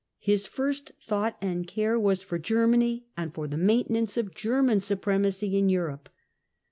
His first thought and care was for Germany, and for the maintenance of German supremacy in Europe.